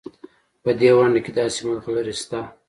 په دې ونډه کې داسې ملغلرې شته.